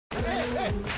はい！